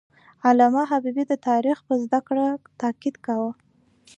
علامه حبیبي د تاریخ پر زده کړه تاکید کاوه.